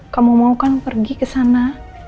kamu mau kan pergi ke sana